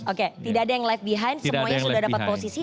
oke tidak ada yang live behind semuanya sudah dapat posisi